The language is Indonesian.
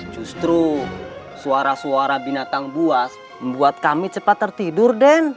justru suara suara binatang buas membuat kami cepat tertidur den